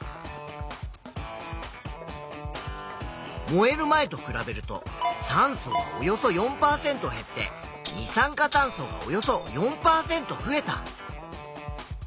燃える前と比べると酸素がおよそ４％減って二酸化炭素がおよそ４％増えた。